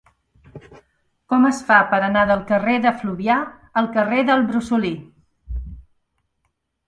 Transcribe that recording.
Com es fa per anar del carrer de Fluvià al carrer del Brosolí?